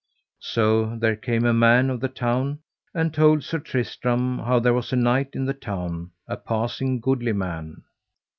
So there came a man of the town, and told Sir Tristram how there was a knight in the town, a passing goodly man.